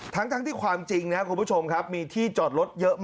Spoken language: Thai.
ทั้งที่ความจริงนะครับคุณผู้ชมครับมีที่จอดรถเยอะมาก